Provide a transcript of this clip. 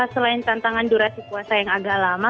selain tantangan durasi puasa yang agak lama